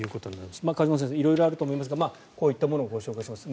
梶本先生、色々あると思いますがこういったものをご紹介しました。